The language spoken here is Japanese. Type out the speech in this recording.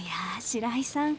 白井さん